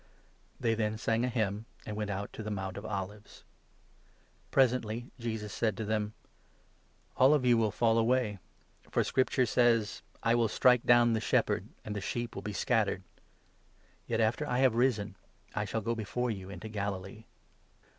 They then sang a hymn, and went out up the Mount of Olives. 26 Peter's Fail Presently Jesus said to them : 27 foretold. " All of you will fall away ; for Scripture says —' I will strike down the Shepherd, and the sheep will be scattered.' Yet, after I have risen, I shall go before you into Galilee."